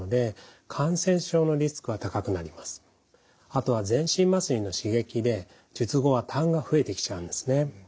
あとは全身麻酔の刺激で術後はたんが増えてきちゃうんですね。